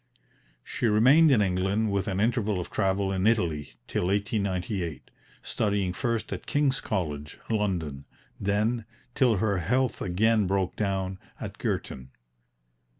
She remained in England, with an interval of travel in Italy, till 1898, studying first at King's College, London, then, till her health again broke down, at Girton.